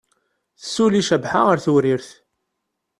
Tessuli Cabḥa ɣer Tewrirt.